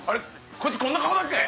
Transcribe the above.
こいつこんな顔だっけ？